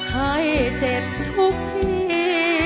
ให้เจ็บทุกที